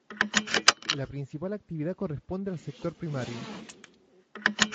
La principal actividad corresponde al sector primario.